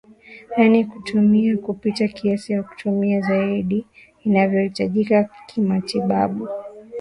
yaani kutumia kupita kiasi au kutumia zaidi ya invyohitajika kimatibabu